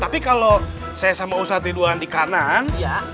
tapi kalau saya sama ustadz ridwan di kanan